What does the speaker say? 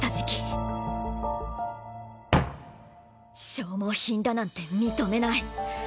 消耗品だなんて認めない。